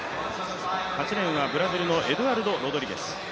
８レーンはブラジルのエドゥアルド・ロドリゲス。